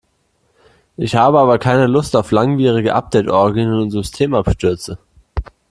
Ich habe aber keine Lust auf langwierige Update-Orgien und Systemabstürze.